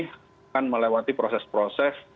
akan melewati proses proses